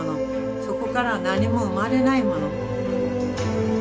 そこからは何も生まれないもの。